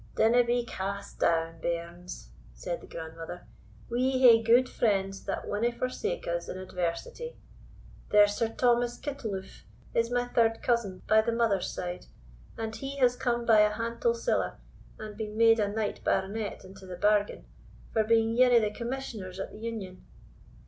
"Dinna be cast down, bairns," said the grandmother, "we hae gude friends that winna forsake us in adversity. There's Sir Thomas Kittleloof is my third cousin by the mother's side, and he has come by a hantle siller, and been made a knight baronet into the bargain, for being ane o' the commissioners at the Union."